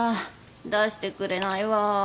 出してくれないわ。